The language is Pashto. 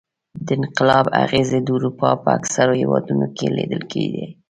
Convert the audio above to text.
د انقلاب اغېزې د اروپا په اکثرو هېوادونو کې لیدل کېدې.